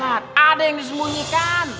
ada yang disembunyikan